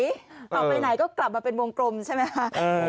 ออกไปไหนก็กลับมาเป็นวงกลมใช่ไหมคะ